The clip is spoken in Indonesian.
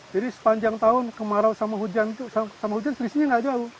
jadi sepanjang tahun kemarau sama hujan sama hujan selisihnya nggak jauh